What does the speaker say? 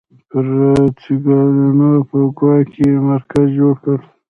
پرتګالیانو په ګوا کې مرکز جوړ کړ.